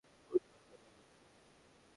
পূর্ণিমার কথা বলছিস?